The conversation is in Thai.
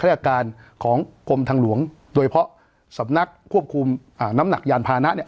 ราชการของกรมทางหลวงโดยเฉพาะสำนักควบคุมน้ำหนักยานพานะเนี่ย